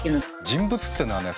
人物っていうのはね